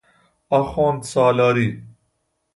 آخوندسالاری